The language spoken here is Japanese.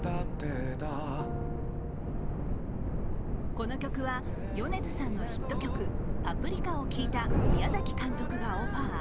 この曲は米津さんのヒット曲「パプリカ」を聴いた宮崎監督がオファー。